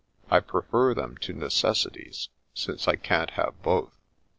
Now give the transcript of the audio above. I prefer them to necessities — since I can't have both."